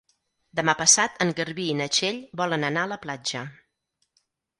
Demà passat en Garbí i na Txell volen anar a la platja.